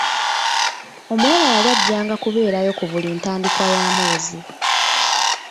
Omuwala yali ajjanga kubeerayo ku buli ntandikwa ya mwezi.